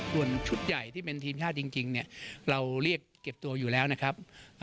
ส่วนชุดใหญ่ที่เป็นทีมชาติจริงเราเรียกเก็บตัวอยู่แล้วนะครับ